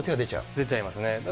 出ちゃいますね。